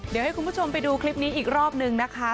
เดี๋ยวให้คุณผู้ชมไปดูคลิปนี้อีกรอบนึงนะคะ